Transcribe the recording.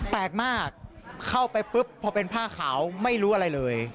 แปลกมากเข้าไปปุ๊บพอเป็นผ้าขาวไม่รู้อะไรเลย